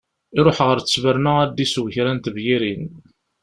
Iṛuḥ ar ttberna ad d-isew kra n tebyirin.